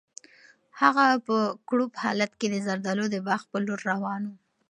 هغه په کړوپ حالت کې د زردالو د باغ په لور روان و.